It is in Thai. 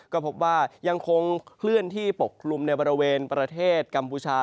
ก็พบว่ายังคงเคลื่อนที่ปกคลุมในบริเวณประเทศกัมพูชา